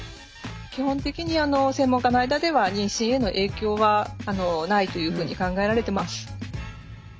基本的に専門家の間では妊娠への影響はないというふうに考えられてます。